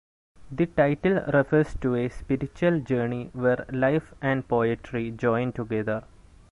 The title refers to a spiritual journey where life and poetry join together.